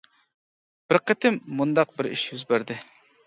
بىر قېتىم مۇنداق بىر ئىش يۈز بەردى.